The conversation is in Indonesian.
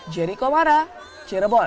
jeri komara cirebon